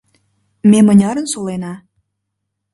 Ме мынярын солена?